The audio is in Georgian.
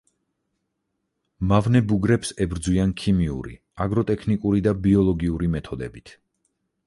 მავნე ბუგრებს ებრძვიან ქიმიური, აგროტექნიკური და ბიოლოგიური მეთოდებით.